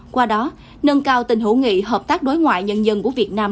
qua đó nâng cao tình hữu nghị hợp tác đối ngoại nhân dân của việt nam